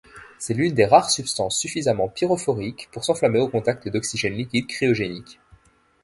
C'est l'une des rares substances suffisamment pyrophoriques pour s'enflammer au contact d'oxygène liquide cryogénique.